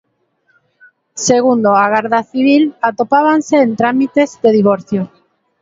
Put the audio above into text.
Segundo a Garda Civil, atopábanse en trámites de divorcio.